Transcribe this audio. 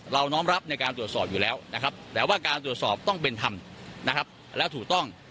น้อมรับในการตรวจสอบอยู่แล้วนะครับแต่ว่าการตรวจสอบต้องเป็นธรรมนะครับแล้วถูกต้อง